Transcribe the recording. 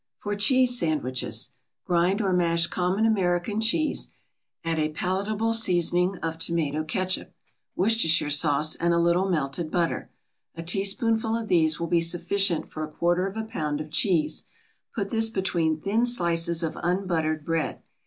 For CHEESE SANDWICHES: Grind or mash common American cheese, add a palatable seasoning of tomato catsup, Worcestershire sauce, and a little melted butter. A teaspoonful of these will be sufficient for a quarter of a pound of cheese. Put this between thin slices of unbuttered bread.